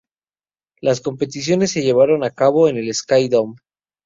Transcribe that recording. Las competiciones se llevaron a cabo en el Sky Dome.